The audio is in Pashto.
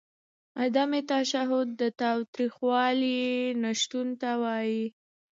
عدم تشدد د تاوتریخوالي نشتون ته وايي.